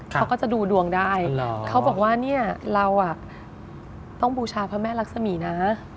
เขาก็จะดูดวงได้เขาบอกว่าเนี่ยเราต้องบูชาพระแม่รักษมีนะ